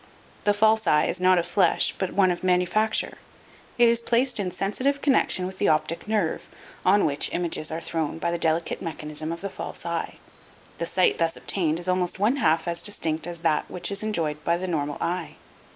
The false eye is not of flesh but one of manufacture. It is placed in sensitive connection with the optic nerve, on which images are thrown by the delicate mechanism of the false eye. The sight thus obtained is almost one half as distinct as that which is enjoyed by the normal eye.